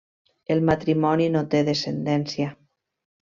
El matrimoni no té descendència.